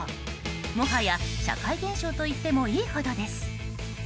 もはや、社会現象といってもいいほどです。